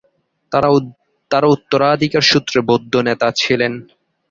তারা উত্তরাধিকার সূত্রে বৌদ্ধ নেতা ছিলেন।